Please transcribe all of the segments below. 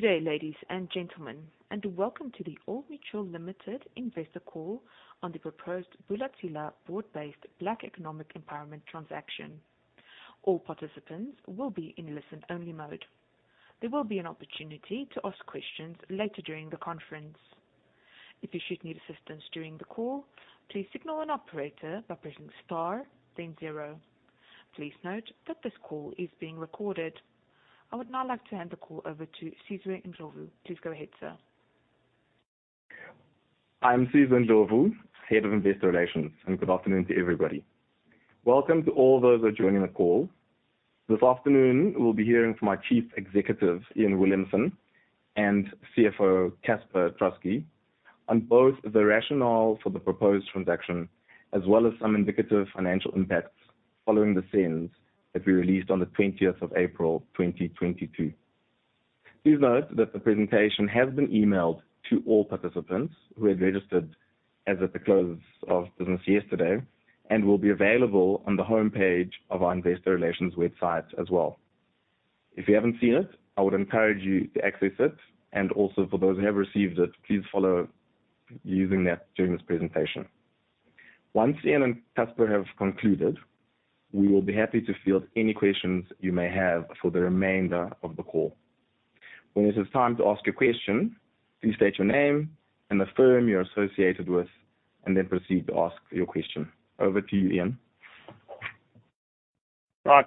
Good day, ladies and gentlemen, and welcome to the Old Mutual Limited investor call on the proposed Bula Tsela broad-based black economic empowerment transaction. All participants will be in listen-only mode. There will be an opportunity to ask questions later during the conference. If you should need assistance during the call, please signal an operator by pressing star then zero. Please note that this call is being recorded. I would now like to hand the call over to Sizwe Ndlovu. Please go ahead, sir. I'm Sizwe Ndlovu, head of investor relations, and good afternoon to everybody. Welcome to all those who are joining the call. This afternoon, we'll be hearing from our Chief Executive, Iain Williamson, and CFO, Casper Troskie, on both the rationale for the proposed transaction, as well as some indicative financial impacts following the SENS that we released on the 20th April, 2022. Please note that the presentation has been emailed to all participants who had registered as at the close of business yesterday, and will be available on the homepage of our investor relations website as well. If you haven't seen it, I would encourage you to access it, and also for those who have received it, please follow using that during this presentation. Once Iain and Casper have concluded, we will be happy to field any questions you may have for the remainder of the call. When it is time to ask a question, please state your name and the firm you're associated with, and then proceed to ask your question. Over to you, Iain.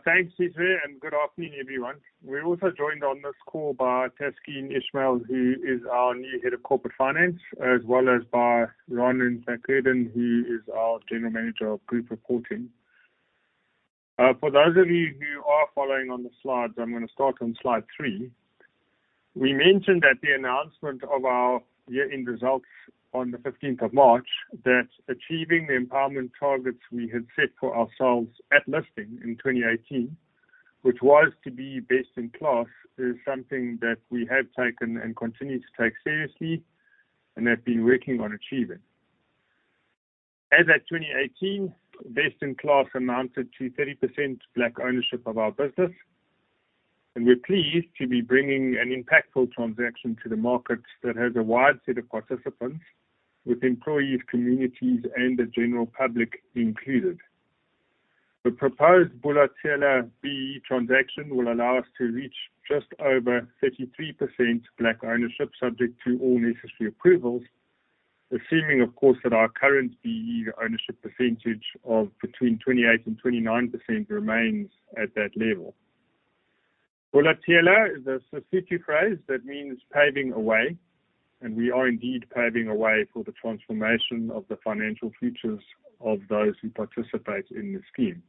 Thanks, Sizwe, and good afternoon, everyone. We're also joined on this call by Taskeen Ismail, who is our new Head of Corporate Finance, as well as by Ronan McCracken, who is our General Manager of Group Reporting. For those of you who are following on the slides, I'm gonna start on slide three. We mentioned at the announcement of our year-end results on the fifteenth of March, that achieving the empowerment targets we had set for ourselves at listing in 2018, which was to be best in class, is something that we have taken and continue to take seriously and have been working on achieving. As at 2018, best in class amounted to 30% Black ownership of our business, and we're pleased to be bringing an impactful transaction to the market that has a wide set of participants with employees, communities, and the general public included. The proposed Bula Tsela B-BBEE transaction will allow us to reach just over 33% Black ownership, subject to all necessary approvals, assuming of course that our current B-BBEE ownership percentage of between 28% and 29% remains at that level. Bula Tsela is a Sesotho phrase that means paving a way, and we are indeed paving a way for the transformation of the financial futures of those who participate in the scheme.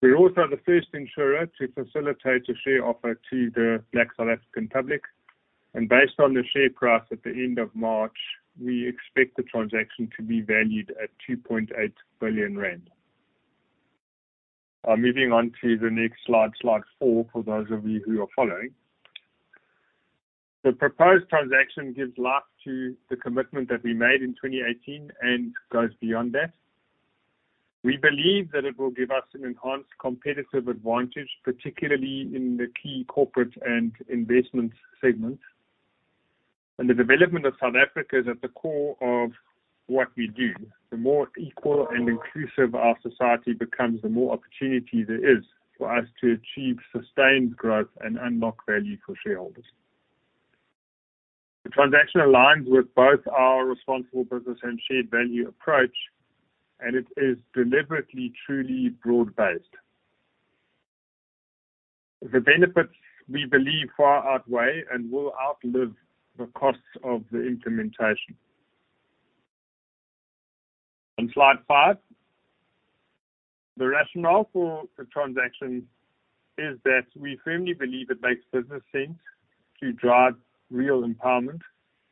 We're also the first insurer to facilitate a share offer to the Black South African public. Based on the share price at the end of March, we expect the transaction to be valued at 2.8 billion rand. Moving on to the next slide four, for those of you who are following. The proposed transaction gives life to the commitment that we made in 2018 and goes beyond that. We believe that it will give us an enhanced competitive advantage, particularly in the key corporate and investment segments. The development of South Africa is at the core of what we do. The more equal and inclusive our society becomes, the more opportunity there is for us to achieve sustained growth and unlock value for shareholders. The transaction aligns with both our responsible business and shared value approach, and it is deliberately, truly broad-based. The benefits, we believe, far outweigh and will outlive the costs of the implementation. On slide five. The rationale for the transaction is that we firmly believe it makes business sense to drive real empowerment.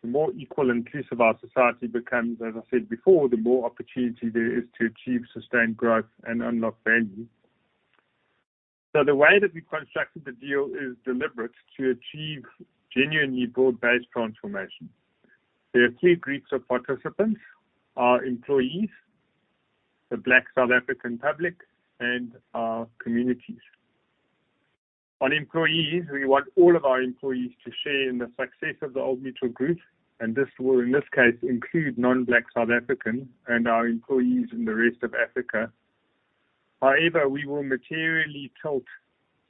The more equal and inclusive our society becomes, as I said before, the more opportunity there is to achieve sustained growth and unlock value. The way that we constructed the deal is deliberate to achieve genuinely broad-based transformation. There are three groups of participants, our employees, the Black South African public, and our communities. On employees, we want all of our employees to share in the success of the Old Mutual Group, and this will, in this case, include non-Black South African and our employees in the rest of Africa. However, we will materially tilt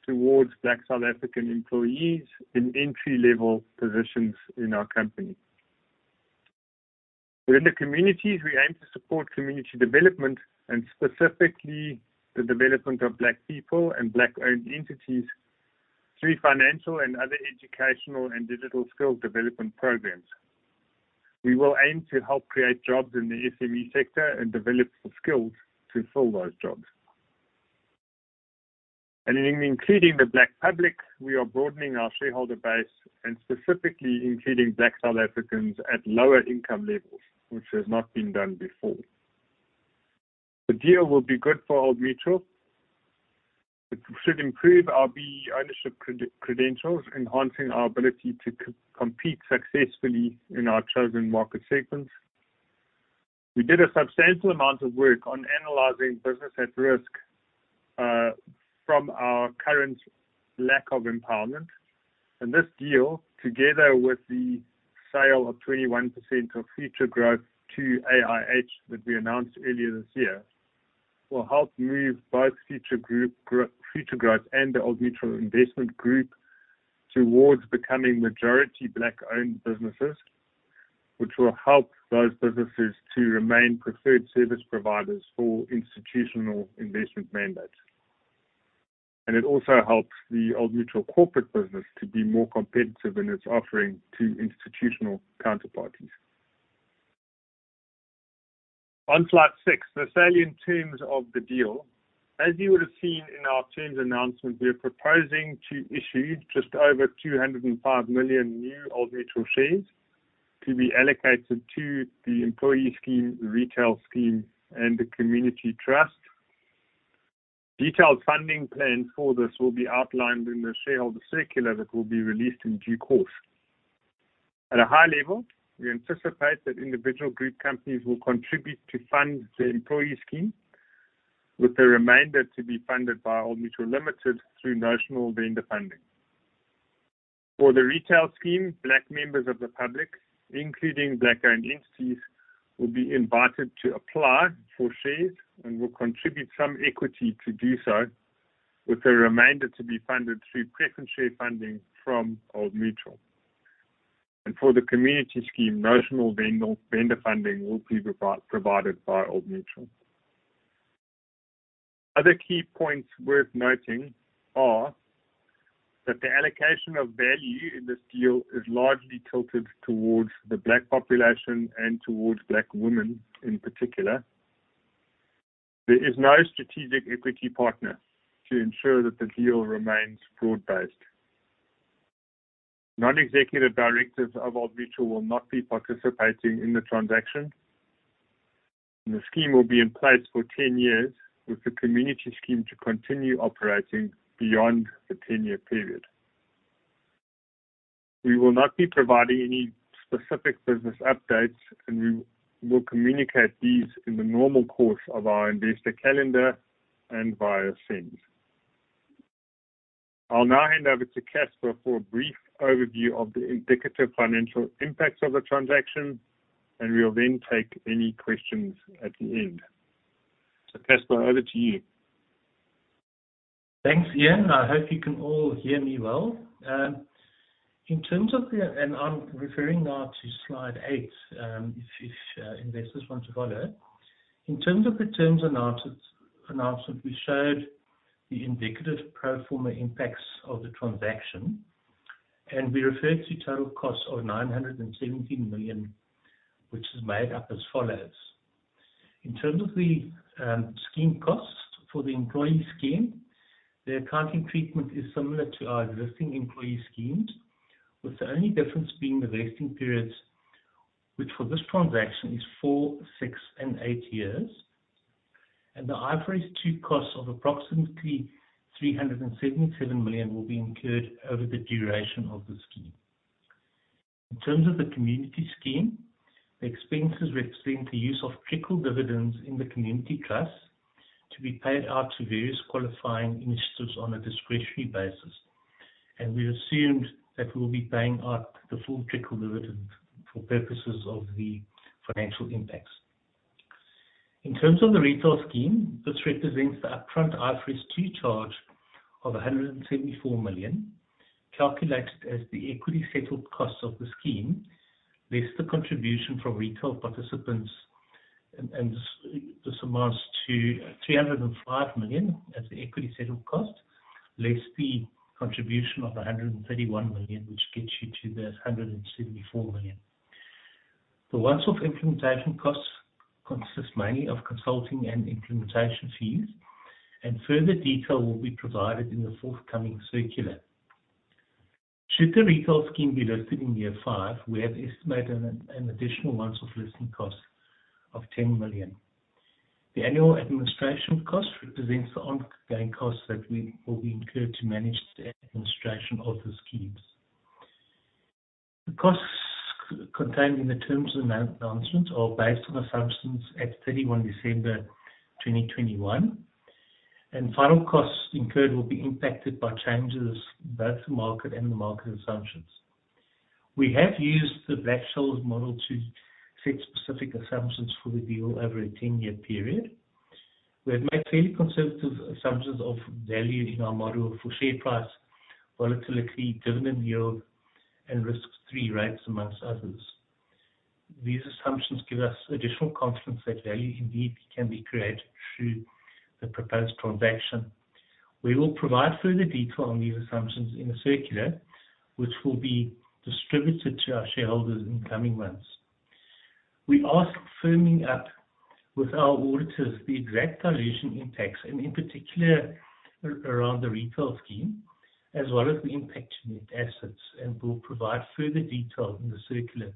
towards Black South African employees in entry-level positions in our company. Within the communities, we aim to support community development and specifically the development of black people and black-owned entities through financial and other educational and digital skill development programs. We will aim to help create jobs in the SME sector and develop the skills to fill those jobs. In including the black public, we are broadening our shareholder base and specifically including black South Africans at lower income levels, which has not been done before. The deal will be good for Old Mutual. It should improve our B-BBEE ownership credentials, enhancing our ability to compete successfully in our chosen market segments. We did a substantial amount of work on analyzing business at risk from our current lack of empowerment. This deal, together with the sale of 21% of Futuregrowth to AIH that we announced earlier this year, will help move both Futuregrowth and the Old Mutual Investment Group towards becoming majority Black-owned businesses, which will help those businesses to remain preferred service providers for institutional investment mandates. It also helps the Old Mutual corporate business to be more competitive in its offering to institutional counterparties. On slide six, the salient terms of the deal. As you would have seen in our terms announcement, we are proposing to issue just over 205 million new Old Mutual shares to be allocated to the employee scheme, the retail scheme, and the community trust. Detailed funding plans for this will be outlined in the shareholder circular that will be released in due course. At a high level, we anticipate that individual group companies will contribute to fund the employee scheme, with the remainder to be funded by Old Mutual Limited through notional vendor funding. For the retail scheme, Black members of the public, including Black-owned entities, will be invited to apply for shares and will contribute some equity to do so, with the remainder to be funded through preference share funding from Old Mutual. For the community scheme, notional vendor funding will be provided by Old Mutual. Other key points worth noting are that the allocation of value in this deal is largely tilted towards the Black population and towards Black women in particular. There is no strategic equity partner to ensure that the deal remains broad-based. Non-executive directors of Old Mutual will not be participating in the transaction. The scheme will be in place for 10 years, with the community scheme to continue operating beyond the 10-year period. We will not be providing any specific business updates, and we will communicate these in the normal course of our investor calendar and via SENS. I'll now hand over to Casper for a brief overview of the indicative financial impacts of the transaction, and we'll then take any questions at the end. Casper, over to you. Thanks, Iain. I hope you can all hear me well. I'm referring now to slide eight, if investors want to follow. In terms of the announcement, we showed the indicative pro forma impacts of the transaction, and we referred to total costs of 970 million, which is made up as follows. In terms of the scheme costs for the employee scheme, the accounting treatment is similar to our existing employee schemes, with the only difference being the vesting periods, which for this transaction is four, six, and eight years. The IFRS 2 costs of approximately 377 million will be incurred over the duration of the scheme. In terms of the community scheme, the expenses represent the use of trickle dividends in the community trust to be paid out to various qualifying initiatives on a discretionary basis. We assumed that we'll be paying out the full trickle dividend for purposes of the financial impacts. In terms of the retail scheme, this represents the upfront IFRS 2 charge of 174 million, calculated as the equity settled costs of the scheme, less the contribution from retail participants. This amounts to 305 million as the equity settled cost, less the contribution of 131 million, which gets you to the 174 million. The one-off implementation costs consist mainly of consulting and implementation fees, and further detail will be provided in the forthcoming circular. Should the retail scheme be listed in year five, we have estimated an additional once-off listing cost of 10 million. The annual administration cost represents the ongoing costs that we will be incurred to manage the administration of the schemes. The costs contained in the terms of the announcement are based on assumptions at 31 December 2021, and final costs incurred will be impacted by changes both to market and the market assumptions. We have used the Black-Scholes model to set specific assumptions for the deal over a 10-year period. We have made fairly conservative assumptions of value in our model for share price volatility, dividend yield, and risk-free rates, among others. These assumptions give us additional confidence that value indeed can be created through the proposed transaction. We will provide further detail on these assumptions in a circular which will be distributed to our shareholders in coming months. We are firming up with our auditors the exact dilution impacts and, in particular, around the retail scheme, as well as the impact to net assets, and we'll provide further detail in the circular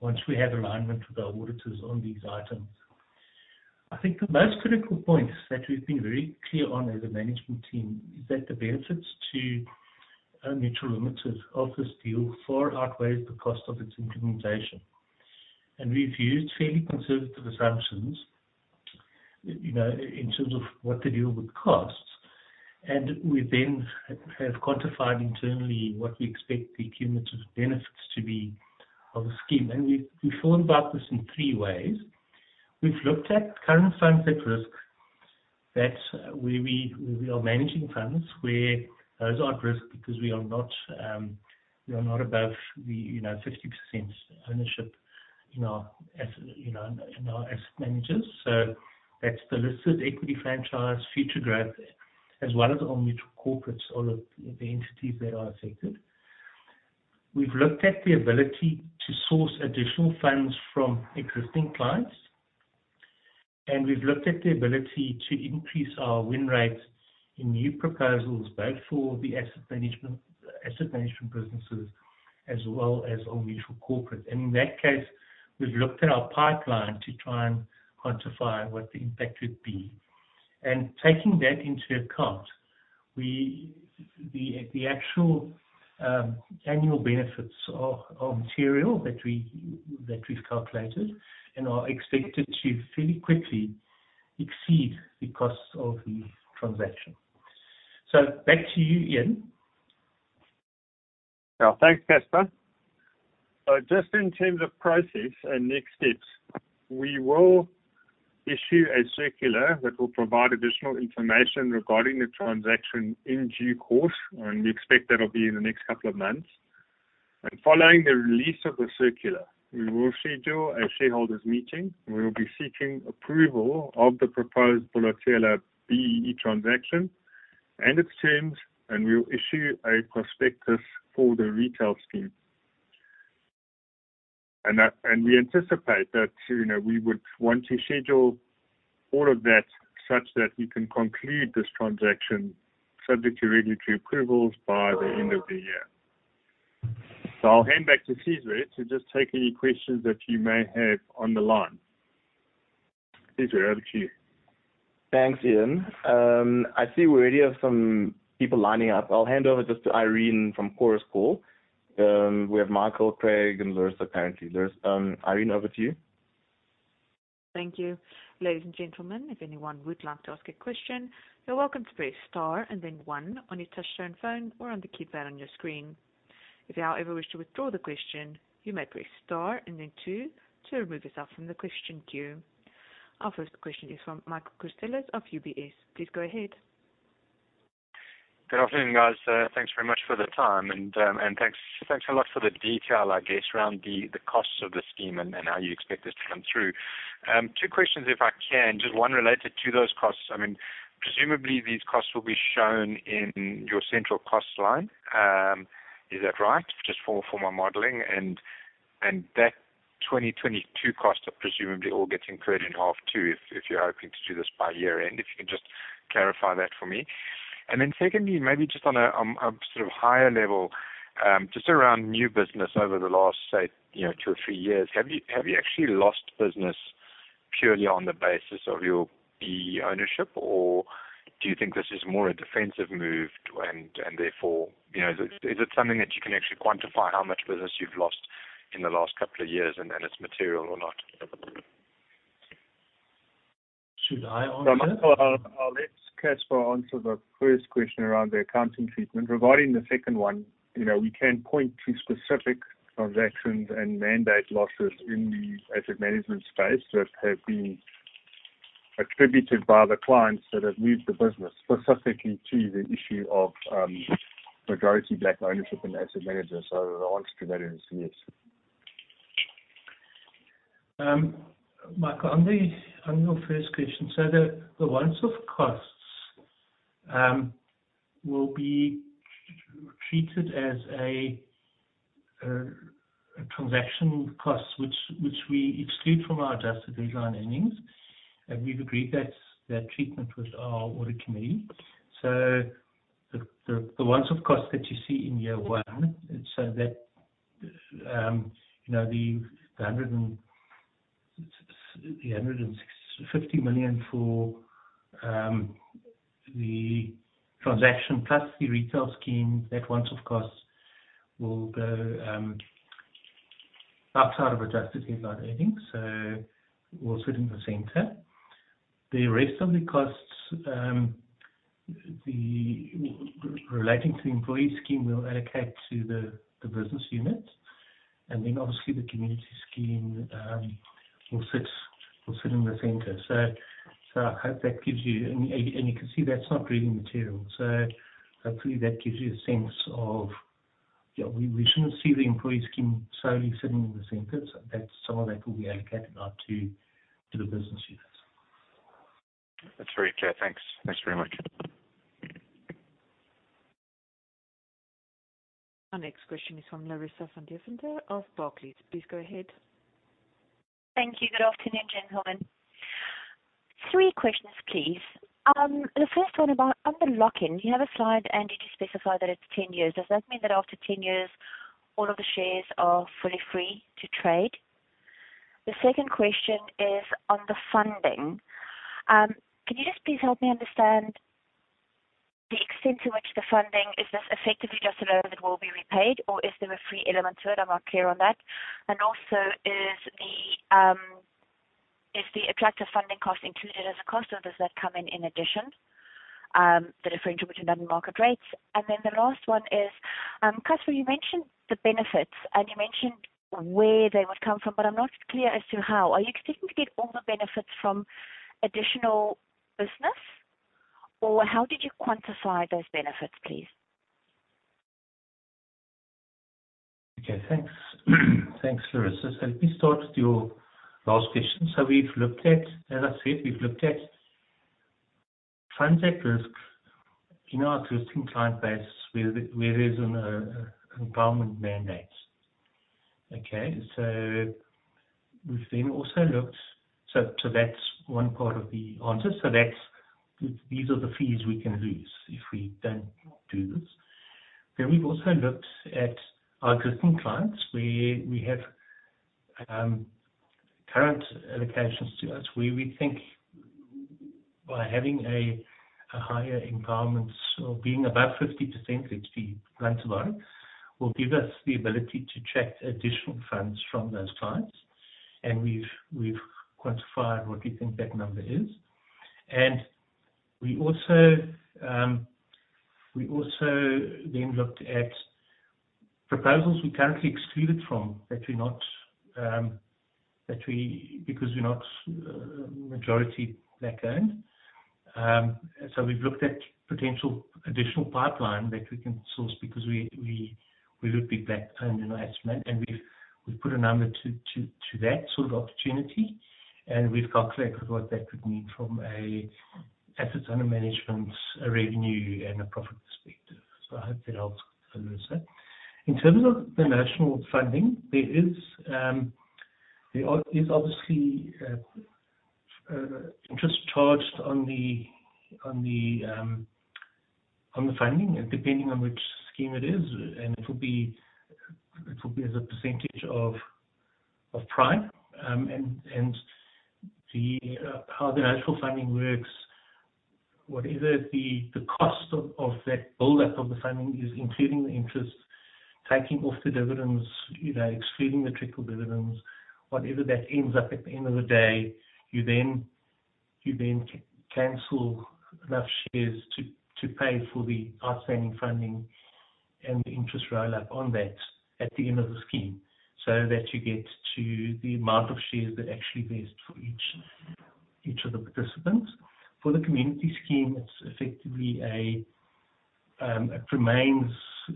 once we have alignment with our auditors on these items. I think the most critical point that we've been very clear on as a management team is that the benefits to Old Mutual Limited of this deal far outweighs the cost of its implementation. We've used fairly conservative assumptions, you know, in terms of what the deal would cost. We then have quantified internally what we expect the cumulative benefits to be of the scheme. We thought about this in three ways. We've looked at current funds at risk that we are managing funds where those are at risk because we are not above the, you know, 50% ownership in our, you know, asset managers. That's the listed equity franchise, Futuregrowth, as well as Old Mutual corporate, all of the entities that are affected. We've looked at the ability to source additional funds from existing clients, and we've looked at the ability to increase our win rates in new proposals, both for the asset management businesses as well as Old Mutual corporate. In that case, we've looked at our pipeline to try and quantify what the impact would be. Taking that into account, we, the actual annual benefits are material that we've calculated and are expected to fairly quickly exceed the cost of the transaction. Back to you, Iain. Yeah. Thanks, Casper. Just in terms of process and next steps, we will issue a circular that will provide additional information regarding the transaction in due course, and we expect that'll be in the next couple of months. Following the release of the circular, we will schedule a shareholders meeting, and we will be seeking approval of the proposed Bula Tsela B-BBEE transaction and its terms, and we'll issue a prospectus for the retail scheme. We anticipate that, you know, we would want to schedule all of that such that we can conclude this transaction subject to regulatory approvals by the end of the year. I'll hand back to Sizwe to just take any questions that you may have on the line. Sizwe, over to you. Thanks, Iain. I see we already have some people lining up. I'll hand over just to Irene from Chorus Call. We have Michael, Craig, and Larissa, apparently. There's, Irene, over to you. Thank you. Ladies and gentlemen, if anyone would like to ask a question, you're welcome to press star and then one on your touchtone phone or on the keypad on your screen. If you ever wish to withdraw the question, you may press star and then two to remove yourself from the question queue. Our first question is from Michael Christelis of UBS. Please go ahead. Good afternoon, guys. Thanks very much for the time and thanks a lot for the detail, I guess, around the costs of the scheme and how you expect this to come through. Two questions if I can. Just one related to those costs. I mean, presumably these costs will be shown in your central cost line. Is that right? Just for my modeling. That 2022 costs are presumably all getting incurred in H2, if you're hoping to do this by year-end. If you can just clarify that for me. Then secondly, maybe just on a sort of higher level, just around new business over the last say, you know, two or three years. Have you actually lost business purely on the basis of your B-BBEE ownership, or do you think this is more a defensive move and therefore, you know? Is it something that you can actually quantify how much business you've lost in the last couple of years and it's material or not? Should I answer? Michael, I'll let Casper answer the first question around the accounting treatment. Regarding the second one, you know, we can point to specific transactions and mandate losses in the asset management space that have been attributed by the clients that have moved the business specifically to the issue of majority Black ownership and asset managers. The answer to that is yes. Michael, on your first question. The once-off costs will be treated as a transaction cost which we exclude from our adjusted headline earnings. We've agreed that treatment with our audit committee. The once-off cost that you see in year one, so that, you know, the 165 million for the transaction plus the retail scheme, that once-off costs will go outside of adjusted headline earnings. We'll sit in the center. The rest of the costs relating to the employee scheme will allocate to the business unit. Obviously the community scheme will sit in the center. I hope that gives you. You can see that's not really material. Hopefully that gives you a sense of, yeah, we shouldn't see the employee scheme solely sitting in the center. So that's, some of that will be allocated out to the business units. That's very clear. Thanks. Thanks very much. Our next question is from Larissa van Deventer of Barclays. Please go ahead. Thank you. Good afternoon, gentlemen. three questions, please. The first one about on the lock-in, you have a slide, Andy, to specify that it's 10 years. Does that mean that after 10 years all of the shares are fully free to trade. The second question is on the funding. Can you just please help me understand the extent to which the funding is just effectively a loan that will be repaid, or is there a free element to it? I'm not clear on that. And also, is the attractive funding cost included as a cost, or does that come in in addition, the differential between them and market rates? And then the last one is, Casper, you mentioned the benefits and you mentioned where they would come from, but I'm not clear as to how. Are you expecting to get all the benefits from additional business, or how did you quantify those benefits, please? Okay, thanks. Thanks, Larissa. Let me start with your last question. We've looked at, as I said, we've looked at transit risk in our existing client base where there's an empowerment mandate. Okay. That's one part of the answer. That's these are the fees we can lose if we don't do this. We've also looked at our existing clients, where we have current allocations to us, where we think by having a higher empowerment, so being above 50% HDI clients of ours, will give us the ability to attract additional funds from those clients. We've quantified what we think that number is. We also then looked at proposals we currently excluded from because we're not majority black-owned. We've looked at potential additional pipeline that we can source because we would be black-owned in our estimate. We've put a number to that sort of opportunity, and we've calculated what that could mean from an assets under management, a revenue, and a profit perspective. I hope that helps, Larissa. In terms of the notional funding, there is obviously interest charged on the funding, and depending on which scheme it is. It will be as a percentage of prime. How the notional funding works, whatever the cost of that build-up of the funding is, including the interest, taking off the dividends, you know, excluding the trickle dividends, whatever that ends up at the end of the day, you then cancel enough shares to pay for the outstanding funding and the interest roll-up on that at the end of the scheme, so that you get to the amount of shares that actually vest for each of the participants. For the community scheme, it's effectively a, it remains,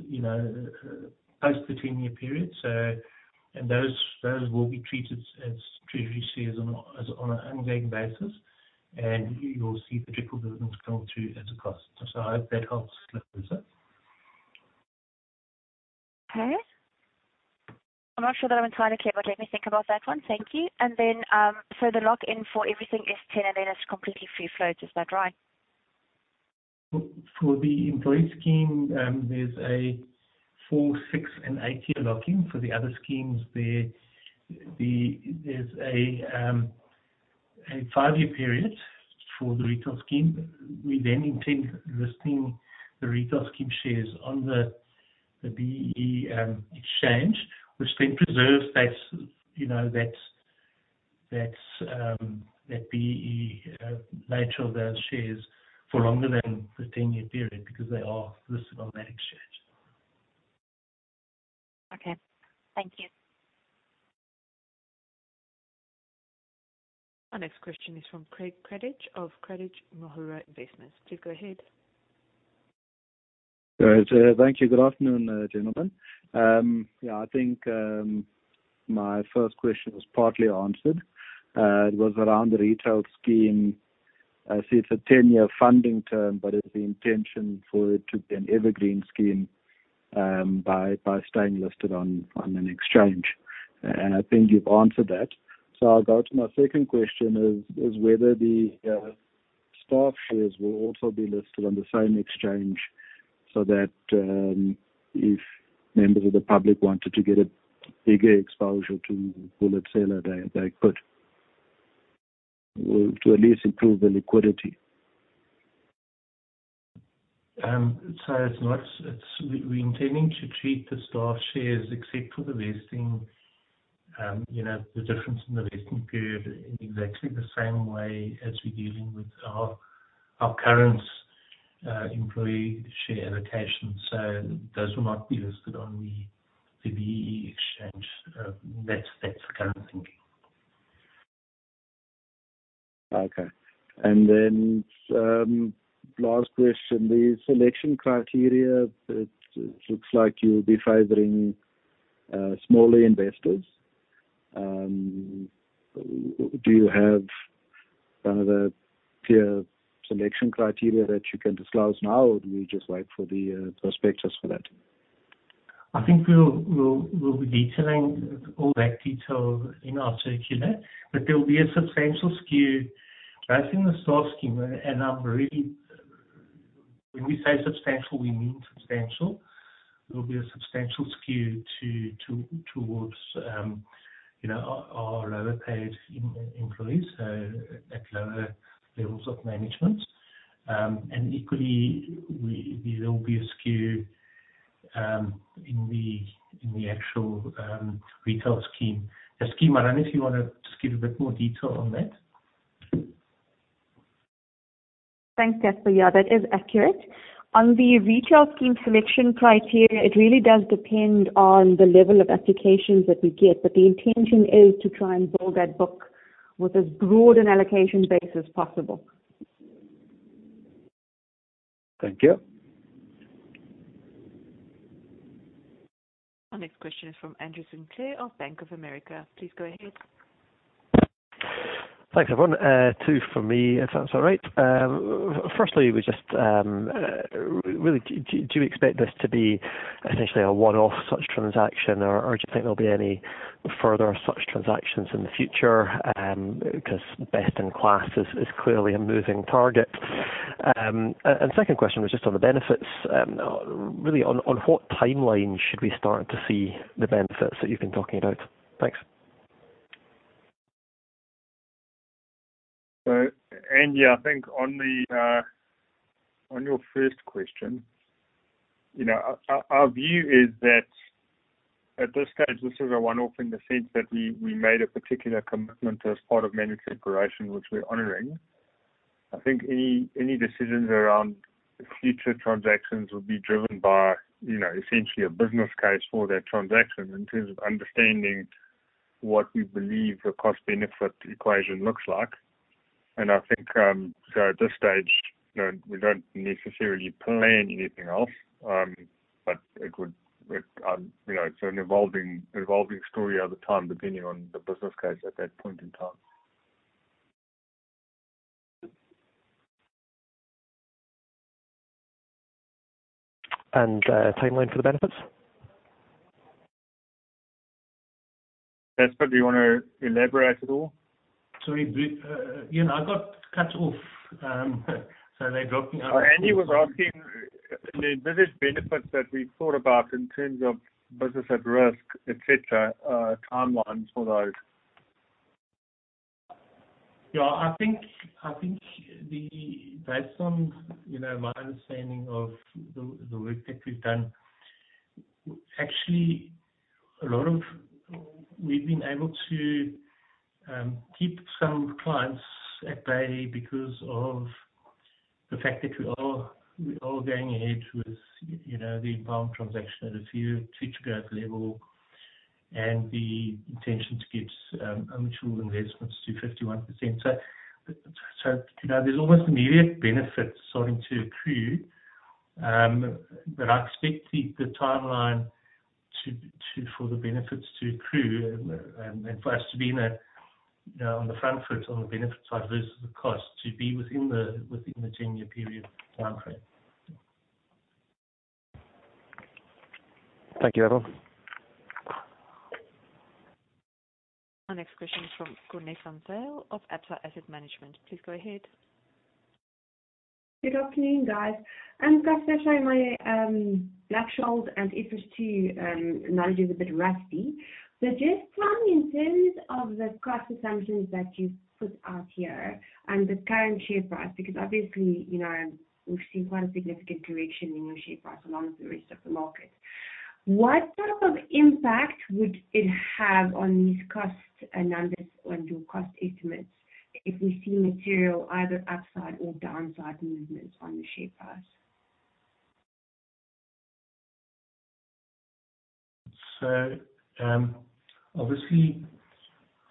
you know, post the 10-year period. And those will be treated as treasury shares on an ongoing basis, and you'll see the trickle dividends come through as a cost. I hope that helps, Larissa. Okay. I'm not sure that I'm entirely clear, but let me think about that one. Thank you. The lock-in for everything is 10, and then it's completely free flow. Is that right? For the employee scheme, there's a four, six, and eight year lock-in. For the other schemes, there's a five year period for the retail scheme. We then intend listing the retail scheme shares on the B-BBEE exchange, which then preserves that, you know, that B-BBEE nature of those shares for longer than the 10-year period because they are listed on that exchange. Okay. Thank you. Our next question is from Craig Gradidge of Gradidge-Mahura Investments. Please go ahead. All right. Thank you. Good afternoon, gentlemen. Yeah, I think my first question was partly answered. It was around the retail scheme. I see it's a 10-year funding term, but is the intention for it to be an evergreen scheme, by staying listed on an exchange? I think you've answered that. I'll go to my second question, is whether the staff shares will also be listed on the same exchange so that, if members of the public wanted to get a bigger exposure to Bula Tsela, they could. Or to at least improve the liquidity. It's not. We're intending to treat the staff shares, except for the vesting, you know, the difference in the vesting period in exactly the same way as we're dealing with our current employee share allocations. Those will not be listed on the B-BBEE Exchange. That's the current thinking. Okay. Last question. The selection criteria, it looks like you'll be favoring smaller investors. Do you have some of the peer selection criteria that you can disclose now, or do we just wait for the prospectus for that? I think we'll be detailing all that detail in our circular. There will be a substantial skew, both in the staff scheme. When we say substantial, we mean substantial. There will be a substantial skew towards you know our lower paid employees, so at lower levels of management. Equally, there will be a skew in the actual retail scheme. Taskeen, if you wanna just give a bit more detail on that. Thanks, Casper. Yeah, that is accurate. On the retail scheme selection criteria, it really does depend on the level of applications that we get, but the intention is to try and build that book with as broad an allocation base as possible. Thank you. Our next question is from Andrew Sinclair of Bank of America. Please go ahead. Thanks, everyone. Two from me, if that's all right. Firstly, we just really do you expect this to be essentially a one-off such transaction or do you think there'll be any further such transactions in the future, because best in class is clearly a moving target? And second question was just on the benefits. Really, on what timeline should we start to see the benefits that you've been talking about? Thanks. Andy, I think on your first question, you know, our view is that at this stage, this is a one-off in the sense that we made a particular commitment as part of Managed Separation, which we're honoring. I think any decisions around future transactions would be driven by, you know, essentially a business case for that transaction in terms of understanding what we believe the cost-benefit equation looks like. I think at this stage, you know, we don't necessarily plan anything else. It would, you know, it's an evolving story at the time, depending on the business case at that point in time. Timeline for the benefits. Casper, do you wanna elaborate at all? Sorry, B, you know, I got cut off. They dropped me out. Oh, Andy was asking the business benefits that we thought about in terms of business at risk, etcetera, timelines for those. Yeah. I think based on, you know, my understanding of the work that we've done, actually, a lot of. We've been able to keep some clients at bay because of the fact that we are going ahead with, you know, the inbound transaction at Futuregrowth level and the intention to get mutual investments to 51%. You know, there's almost immediate benefits starting to accrue, but I expect the timeline for the benefits to accrue and for us to be in a, you know, on the front foot on the benefit side versus the cost to be within the ten-year period timeframe. Thank you, everyone. Our next question is from Cornice Anzel of Absa Asset Management. Please go ahead. Good afternoon, guys. Casper, sorry, my Black-Scholes and IFRS 2 knowledge is a bit rusty. Just in terms of the cost assumptions that you put out here and the current share price, because obviously, you know, we've seen quite a significant correction in your share price along with the rest of the market. What type of impact would it have on these costs and numbers on your cost estimates if we see material either upside or downside movements on the share price? Obviously,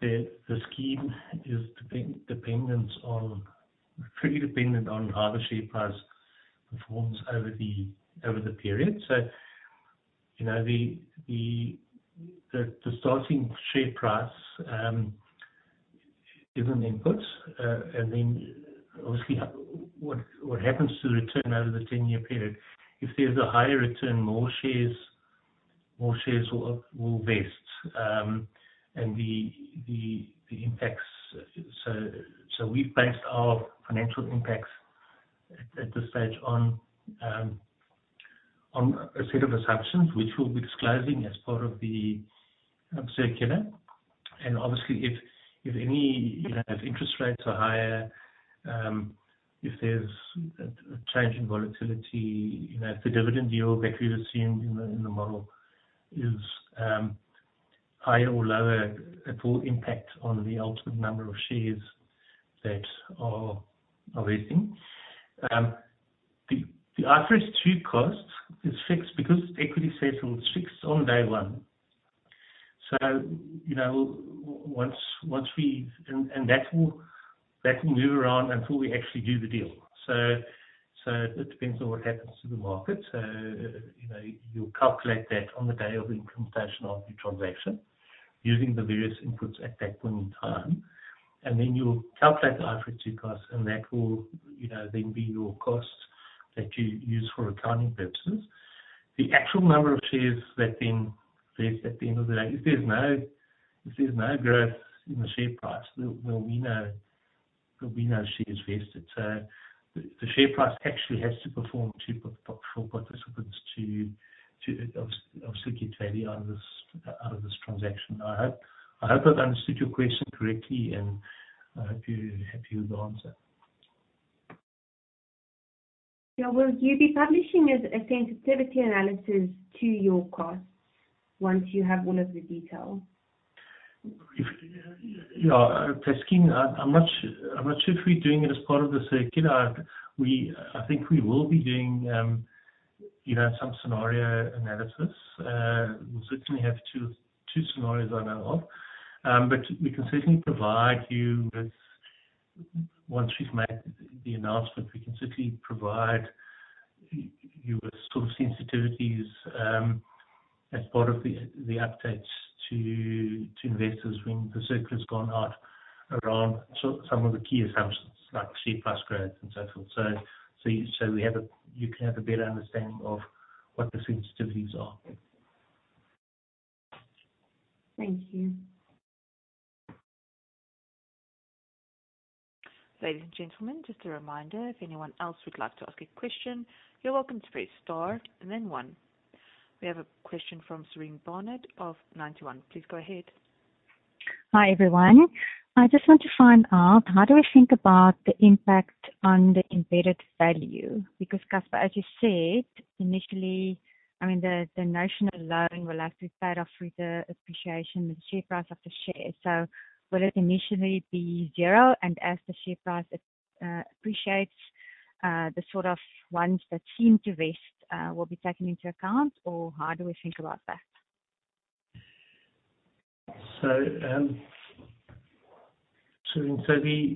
the scheme is pretty dependent on how the share price performs over the period. You know, the starting share price, different inputs. And then obviously, what happens to the return over the 10-year period. If there's a higher return, more shares will vest, and the impacts. We've based our financial impacts at this stage on a set of assumptions, which we'll be disclosing as part of the circular. Obviously if any, you know, if interest rates are higher, if there's a change in volatility, you know, if the dividend yield that we've assumed in the model is higher or lower, it will impact on the ultimate number of shares that are vesting. The IFRS 2 cost is fixed because equity settled fixed on day one. You know, that will move around until we actually do the deal. It depends on what happens to the market. You know, you'll calculate that on the day of implementation of the transaction using the various inputs at that point in time. Then you'll calculate the IFRS 2 cost, and that will, you know, then be your cost that you use for accounting purposes. The actual number of shares that then vest at the end of the day, if there's no growth in the share price, well, we know shares vested. The share price actually has to perform for participants to obviously get value out of this transaction. I hope, I hope I've understood your question correctly, and I hope you're happy with the answer. Yeah. Will you be publishing a sensitivity analysis to your costs once you have all of the details? Yeah. Taskeen, I'm not sure if we're doing it as part of the circular. I think we will be doing, you know, some scenario analysis. We certainly have two scenarios I know of. We can certainly provide you with. Once we've made the announcement, we can certainly provide you with sort of sensitivities, as part of the updates to investors when the circular's gone out around some of the key assumptions, like share price growth and so forth. You can have a better understanding of what the sensitivities are. Thank you. Ladies and gentlemen, just a reminder, if anyone else would like to ask a question, you're welcome to press star and then one. We have a question from Sarine Barnard of Ninety One. Please go ahead. Hi, everyone. I just want to find out how do we think about the impact on the embedded value? Because, Casper, as you said, initially, I mean, the notional loan will have to be paid off with the appreciation, the share price of the shares. Will it initially be zero? As the share price appreciates, the sort of ones that seem to vest will be taken into account, or how do we think about that? The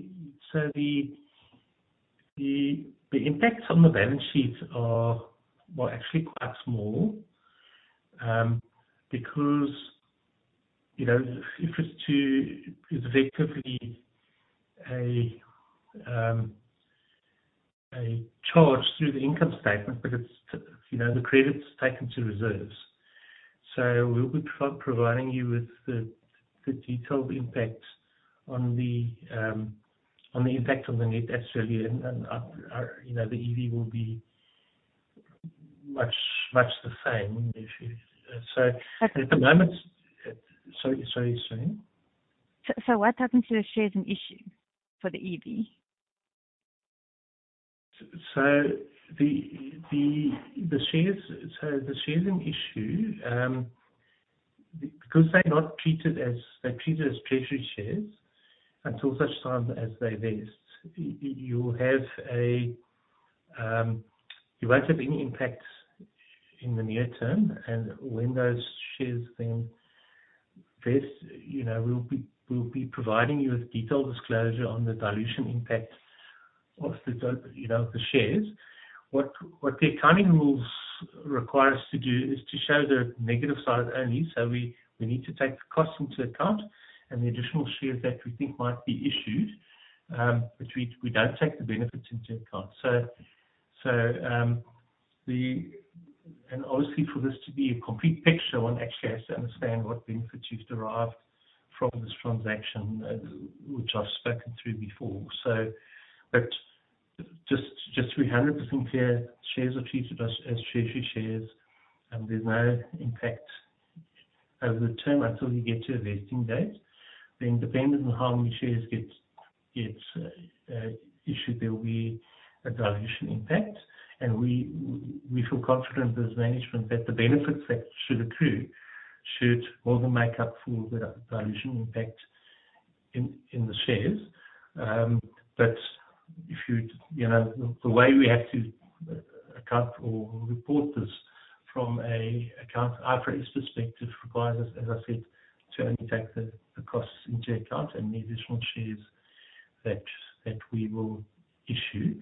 impacts on the balance sheet are, well, actually quite small, because, you know, if it's effectively a charge through the income statement, but it's, you know, the credit's taken to reserves. We'll be providing you with the detailed impact on the net asset value. You know, the EV will be much the same if you. Okay. Sorry, Sarine. What happens to the shares in issue for the EV? The shares in issue, because they're treated as treasury shares until such time as they vest. You won't have any impact in the near term. When those shares then vest, you know, we'll be providing you with detailed disclosure on the dilution impact of, you know, the shares. What the accounting rules require us to do is to show the negative side only. We need to take the costs into account and the additional shares that we think might be issued, but we don't take the benefits into account. Obviously, for this to be a complete picture, one actually has to understand what benefits you've derived from this transaction, which I've spoken through before. Just to be 100% clear, shares are treated as treasury shares, and there's no impact over the term until you get to a vesting date. Then depending on how many shares get issued, there will be a dilution impact. We feel confident as management that the benefits that should accrue should more than make up for the dilution impact in the shares. But if you know the way we have to account or report this from an accounting IFRS perspective requires us, as I said, to only take the costs into account and the additional shares that we will issue.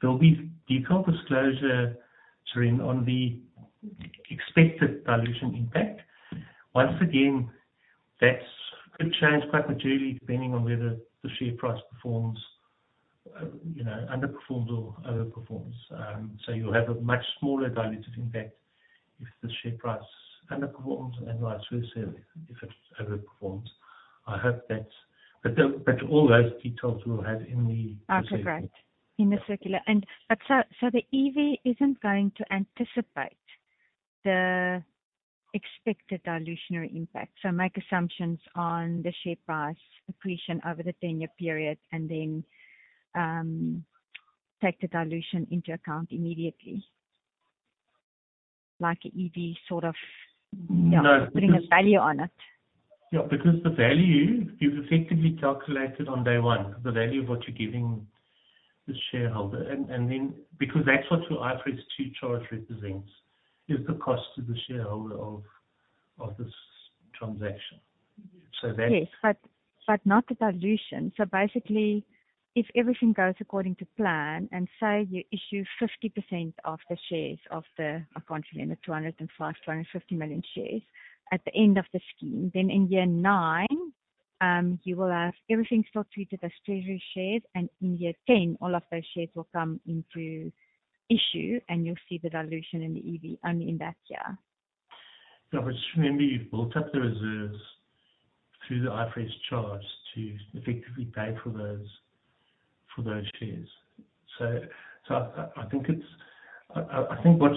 There'll be detailed disclosure, Sarine, on the expected dilution impact. Once again, that could change quite materially depending on whether the share price performs, you know, underperforms or overperforms. You'll have a much smaller dilutive impact if the share price underperforms and vice versa if it overperforms. All those details we'll have in the circular. Okay, great. In the circular. The EV isn't going to anticipate the expected dilutive impact. Make assumptions on the share price accretion over the 10-year period and then take the dilution into account immediately. No. You know, putting a value on it. Yeah. Because the value is effectively calculated on day one, the value of what you're giving the shareholder. Because that's what your IFRS 2 charge represents, is the cost to the shareholder of this transaction. Yes. Not the dilution. Basically, if everything goes according to plan and say you issue 50% of the shares of the, I can't remember, 250 million shares at the end of the scheme, then in year nine, you will have everything still treated as treasury shares, and in year 10, all of those shares will come into issue and you'll see the dilution in the EV only in that year. Yeah, shouldn't be built up the reserves through the IFRS charge to effectively pay for those shares. I think what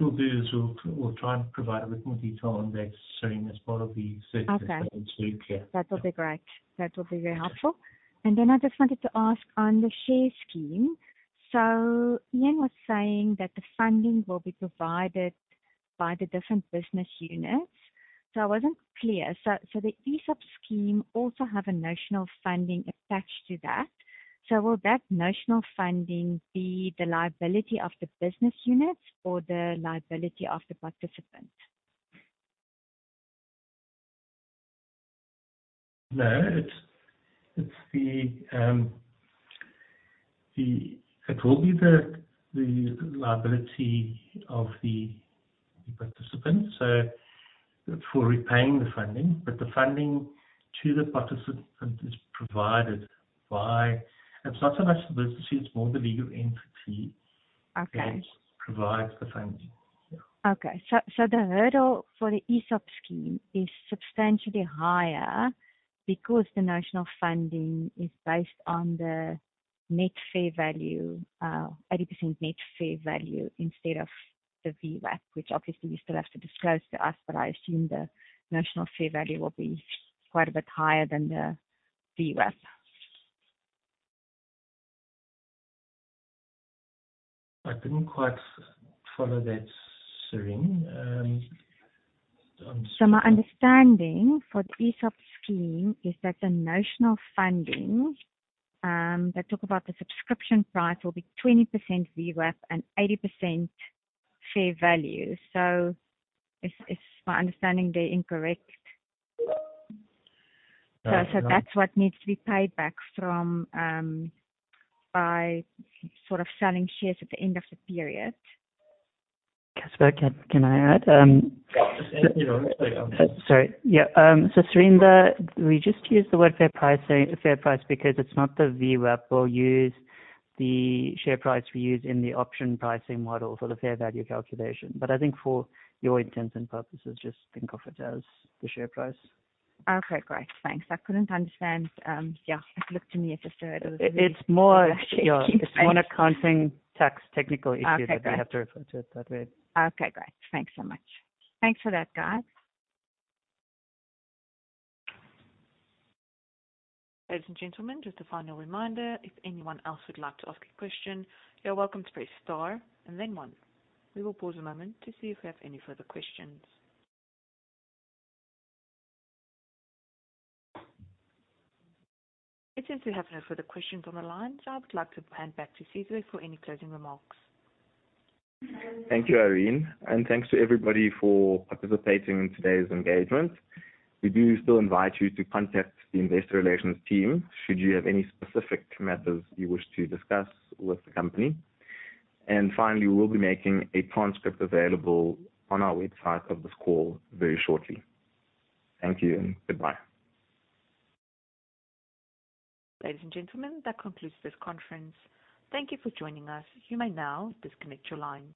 we'll do is we'll try and provide a little more detail on that, Sarine, as part of the. Okay. That'll be great. That will be very helpful. I just wanted to ask on the share scheme. Iain was saying that the funding will be provided by the different business units. I wasn't clear. The ESOP scheme also have a notional funding attached to that. Will that notional funding be the liability of the business unit or the liability of the participant? No, it will be the liability of the participant, so for repaying the funding. The funding to the participant is provided by. It's not so much the business unit, it's more the legal entity. Okay. That provides the funding. Yeah. The hurdle for the ESOP scheme is substantially higher because the notional funding is based on the net fair value, 80% net fair value instead of the VWAP, which obviously you still have to disclose to us, but I assume the notional fair value will be quite a bit higher than the VWAP. I didn't quite follow that, Sarine. My understanding for the ESOP scheme is that the notional funding, they talk about the subscription price will be 20% VWAP and 80% fair value. Is my understanding there incorrect? No, no. That's what needs to be paid back from, by sort of selling shares at the end of the period. Casper, can I add Yeah. No, no. Sorry. Go on. Sorry. Yeah. Sarine, we just use the word fair price, fair price because it's not the VWAP. We'll use the share price we use in the option pricing model for the fair value calculation. I think for your intents and purposes, just think of it as the share price. Okay, great. Thanks. I couldn't understand. Yeah, it looked to me as if there it was. It's more, you know, it's more an accounting tax technical issue. Okay, great. that we have to refer to it that way. Okay, great. Thanks so much. Thanks for that, guys. Ladies and gentlemen, just a final reminder. If anyone else would like to ask a question, you're welcome to press star and then one. We will pause a moment to see if we have any further questions. It seems we have no further questions on the line, so I would like to hand back to Cesar for any closing remarks. Thank you, Irene. Thanks to everybody for participating in today's engagement. We do still invite you to contact the investor relations team should you have any specific matters you wish to discuss with the company. Finally, we'll be making a transcript available on our website of this call very shortly. Thank you and goodbye. Ladies and gentlemen, that concludes this conference. Thank you for joining us. You may now disconnect your line.